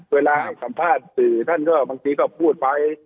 เวลาให้สัมภาษณ์สื่อท่านก็บางทีก็พูดไป